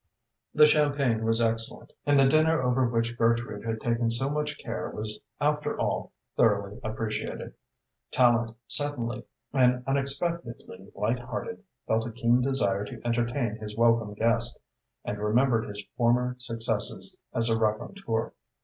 The champagne was excellent, and the dinner over which Gertrude had taken so much care was after all thoroughly appreciated. Tallente, suddenly and unexpectedly light hearted, felt a keen desire to entertain his welcome guest, and remembered his former successes as a raconteur.